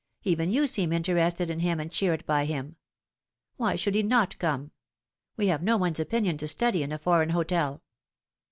Even you seem interested in him and cheered by him. Why should he not come ? We have no one's opinion to study in a foreign hotel."